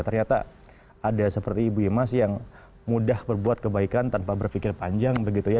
ternyata ada seperti ibu imas yang mudah berbuat kebaikan tanpa berpikir panjang begitu ya